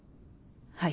はい。